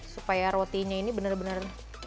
supaya rotinya ini bener bener